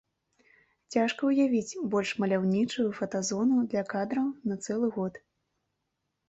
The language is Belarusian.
Цяжка ўявіць больш маляўнічую фотазону для кадраў на цэлы год.